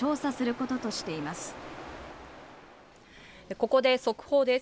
ここで速報です。